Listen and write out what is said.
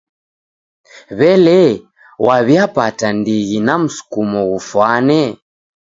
W'elee, waw'iapata ndighi na msukumo ghufwane?